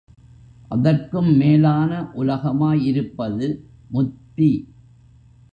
அதற்கும் மேலான உலகமாய் இருப்பது முத்தி.